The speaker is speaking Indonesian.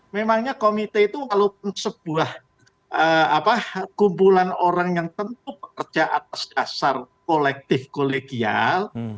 memangnya komite itu walaupun sebuah kumpulan orang yang tentu bekerja atas dasar kolektif kolegial